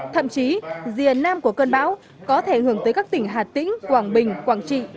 thậm chí rìa nam của cơn bão có thể hưởng tới các tỉnh hà tĩnh quảng bình quảng trị